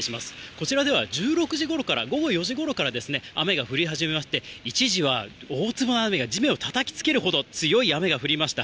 こちらでは１６時ごろから、午後４時ごろから雨が降り始めまして、一時は大粒の雨が地面をたたきつけるほど、強い雨が降りました。